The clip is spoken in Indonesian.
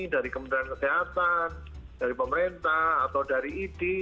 dari kementerian kesehatan dari pemerintah atau dari idi